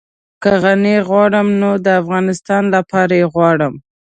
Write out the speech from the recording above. که غني غواړم نو د افغانستان لپاره يې غواړم.